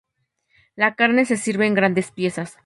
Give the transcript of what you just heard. La carne se sirve en grandes piezas.